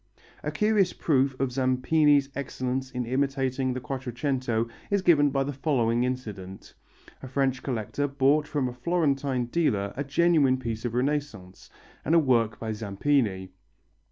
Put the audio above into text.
A curious proof of Zampini's excellence in imitating the Quattrocento is given by the following incident. A French collector bought from a Florentine dealer a genuine piece of Renaissance, and a work by Zampini.